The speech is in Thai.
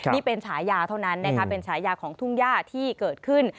นี่เป็นฉายาเท่านั้นนะคะเป็นฉายาของทุ่งย่าที่เกิดขึ้น